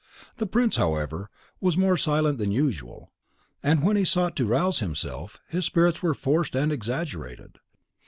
The prince, however, was more silent than usual; and when he sought to rouse himself, his spirits were forced and exaggerated.